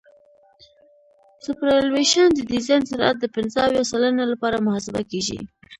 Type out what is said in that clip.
سوپرایلیویشن د ډیزاین سرعت د پنځه اویا سلنه لپاره محاسبه کیږي